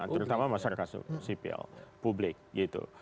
terutama masyarakat sipil publik gitu